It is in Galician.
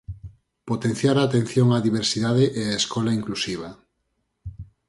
Potenciar a atención á diversidade e a escola inclusiva.